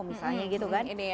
misalnya gitu kan